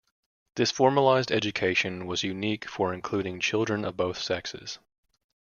This formalized education was unique for including children of both sexes.